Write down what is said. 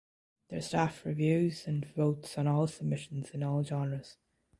Their staff reviews and votes on all submissions in all genres.